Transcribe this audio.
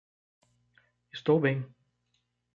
Estou bem.